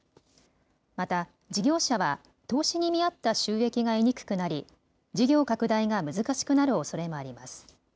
また、事業者は投資に見合った収益が得にくくなり事業拡大が難しくなるおそれもあります。